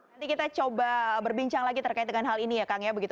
nanti kita coba berbincang lagi terkait dengan hal ini